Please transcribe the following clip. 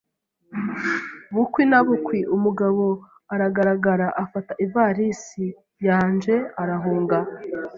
Bukwi na bukwi, umugabo aragaragara, afata ivarisi yanje arahunga.